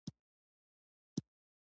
چرګان د کورنۍ اقتصاد کې مرسته کوي.